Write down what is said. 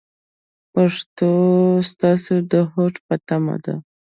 پښتو ستاسو د هوډ په تمه ده.